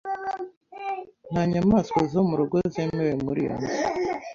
Nta nyamaswa zo mu rugo zemewe muri iyo nzu .